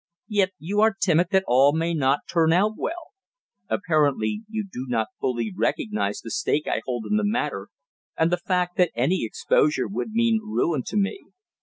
Yet you are timid that all may not turn out well! Apparently you do not fully recognise the stake I hold in the matter, and the fact that any exposure would mean ruin to me.